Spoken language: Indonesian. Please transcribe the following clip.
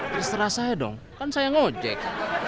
terus teras saya dong kan saya yang ngojek